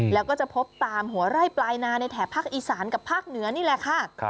แล้วก็จะพบตามหัวไร่ปลายนาในแถบภาคอีสานกับภาคเหนือนี่แหละค่ะ